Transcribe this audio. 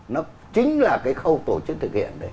nó chính là cái khâu tổ chức thực hiện